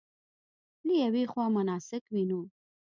له یوې خوا مناسک وینو.